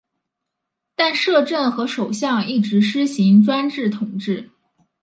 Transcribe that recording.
但摄政和首相一直施行专制统治。